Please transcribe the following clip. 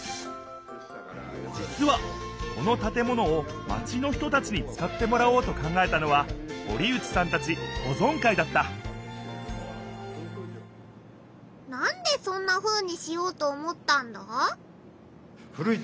じつはこの建物をマチの人たちに使ってもらおうと考えたのは堀内さんたちほぞん会だったなんでそんなふうにしようと思ったんだ？